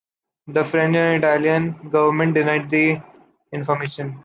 The French and Italian government denied the information.